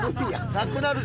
なくなるぞ？